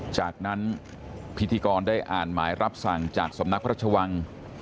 จากนั้นพิธีกรได้อ่านหมายรับสั่งจากสำนักพระชวัง